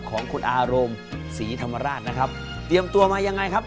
ของคุณอารมณ์ศรีธรรมราชนะครับเตรียมตัวมายังไงครับ